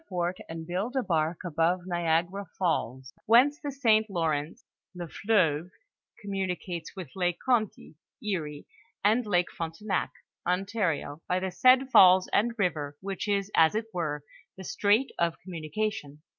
fort, and build a bark above N lagara falls, whence the St. Lawrence (Ze Fleuve) communicates with Lake Conty (Erie), and Lake Frontenac (Ontario), by the said falls and river, which is, as it were, the strait of commnnication.